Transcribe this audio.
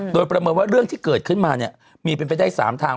โดยประเมินว่าเรื่องที่เกิดขึ้นมาเนี่ยมีเป็นไปได้๓ทาง